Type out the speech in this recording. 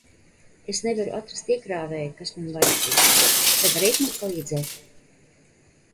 Es nevaru atrast iekrāvēju, kas man vajadzīgs. vai variet man palīdzēt?